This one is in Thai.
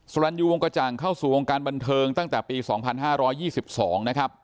สรรยูวงกระจ่างเข้าสู่วงการบันเทิงตั้งแต่ปีสองพันห้าร้อยยี่สิบสองนะครับ